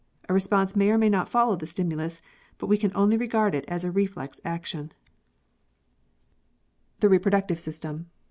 A response may or may not follow t.he stimulus, but we can only regard it as a reflex action. 40 PEARLS [CH. The Reproductive System.